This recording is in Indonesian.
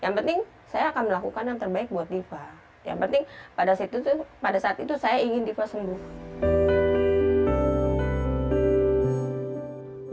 yang penting pada saat itu saya ingin diva sembuh